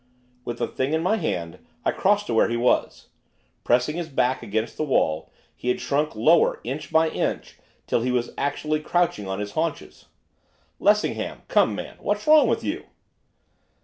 With the thing in my hand, I crossed to where he was, pressing his back against the wall, he had shrunk lower inch by inch till he was actually crouching on his haunches. 'Lessingham! come, man, what's wrong with you?